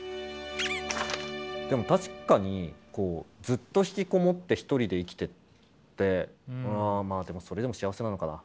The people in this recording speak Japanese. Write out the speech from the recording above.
でも確かにこうずっと引きこもって一人で生きててまあでもそれでも幸せなのかな？